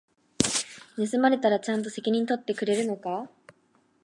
盗まれたらちゃんと責任取ってくれるのか？